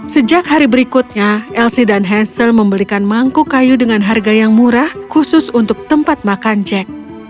sejak hari berikutnya elsie dan hansel membelikan mangkuk kayu dengan harga yang murah khusus untuk tempat makan jack